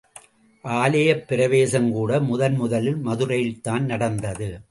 ஆலயப் பிரவேசம் கூட முதன் முதலில் மதுரையில்தான் நடந்தது.!